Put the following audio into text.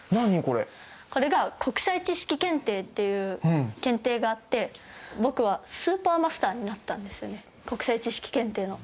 これが国際知識検定っていう検定があって、僕はスーパーマスターになったんですよね、国際知識検定の。